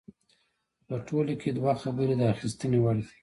خو په ټوله کې دوه خبرې د اخیستنې وړ دي.